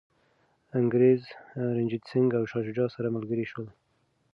انګریز، رنجیت سنګ او شاه شجاع سره ملګري شول.